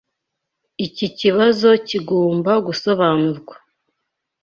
Iki kibazo kigomba gusobanurwa.